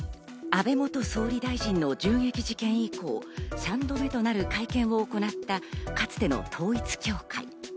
安倍元総理大臣の銃撃事件以降、３度目となる会見を行った、かつての統一教会。